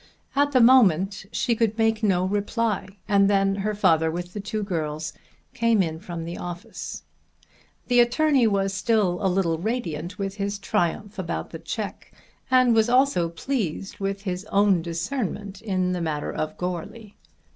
At the moment she could make no reply, and then her father with the two girls came in from the office. The attorney was still a little radiant with his triumph about the cheque and was also pleased with his own discernment in the matter of Goarly.